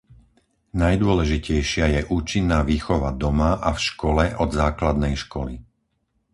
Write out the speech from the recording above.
Najdôležitejšia je účinná výchova doma a v škole od základnej školy.